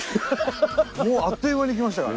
もうあっという間に来ましたから。